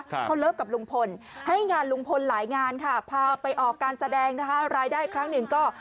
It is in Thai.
เขาเลิฟกับลุงพลให้งานลุงพลหลายงานค่ะพาไปออกการแสดงนะคะรายได้ครั้งหนึ่งก็